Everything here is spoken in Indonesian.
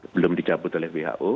belum dicabut oleh who